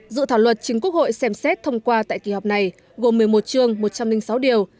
dự thảo luật chính quốc hội xem xét thông qua tại kỳ họp này gồm một mươi một chương một trăm linh sáu điều